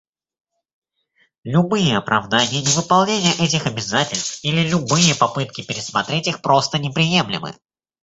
Любые оправдания невыполнения этих обязательств или любые попытки пересмотреть их просто неприемлемы.